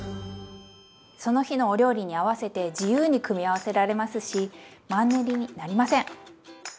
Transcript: その日のお料理に合わせて自由に組み合わせられますしマンネリになりません！